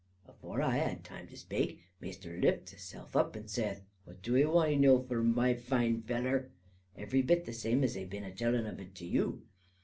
Avore I had taime to spake, Maister lifts hissell up, and zaith, 'What doo 'e want to know for, my faine feller?' every bit the zame as ai be a tullin of it to you.